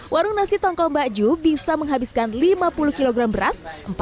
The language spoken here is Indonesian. warung nasi tongkol mbak ju bisa menghabiskan lima puluh kg beras